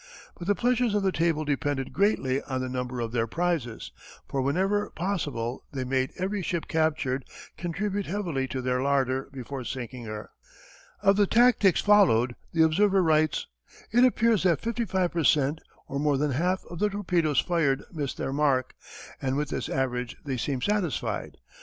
But the pleasures of the table depended greatly on the number of their prizes, for whenever possible they made every ship captured contribute heavily to their larder before sinking her. Of the tactics followed the observer writes: It appears that 55 per cent., or more than half, of the torpedoes fired miss their mark, and with this average they seem satisfied.